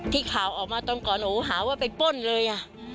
ที่ข่าวออกมาตอนก่อนหาว่าไปปล้นเลย